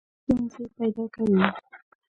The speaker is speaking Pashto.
ستونزي پیدا کړي.